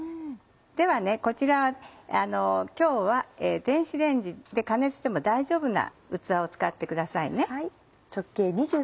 ではこちら今日は電子レンジで加熱しても大丈夫な器を使ってくださいね。